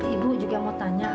ibu juga mau tanya